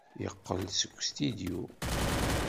Yeqqel-d seg ustidyu.